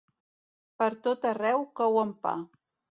Pertot arreu couen pa.